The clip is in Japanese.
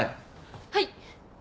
はい。